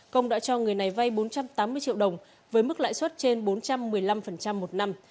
công đã cho người này vay bốn trăm tám mươi triệu đồng với mức lãi suất trên bốn trăm một mươi năm một năm